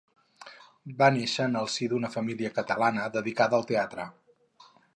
Va néixer en el si d'una família catalana dedicada al teatre.